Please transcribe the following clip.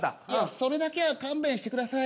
それだけは勘弁してください。